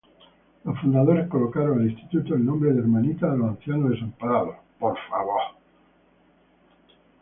Los fundadores colocaron al instituto el nombre de Hermanitas de los Ancianos Desamparados.